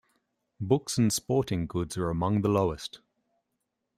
Books and sporting goods are among the lowest.